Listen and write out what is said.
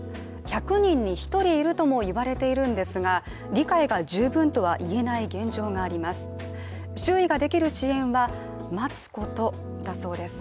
１００人に１人いるともいわれているんですが理解が十分とは言えない現状があります。